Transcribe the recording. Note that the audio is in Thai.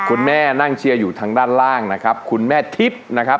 คุณแม่นั่งเชียร์อยู่ทางด้านล่างนะครับคุณแม่ทิพย์นะครับ